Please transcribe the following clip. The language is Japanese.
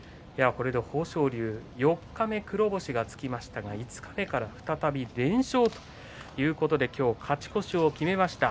これで豊昇龍四日目、黒星がつきましたが五日目から再び連勝ということで今日勝ち越しを決めました。